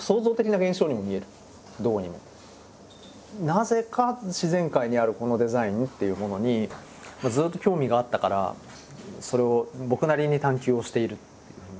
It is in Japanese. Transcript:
なぜか自然界にあるこのデザインっていうものにずっと興味があったからそれを僕なりに探究をしている。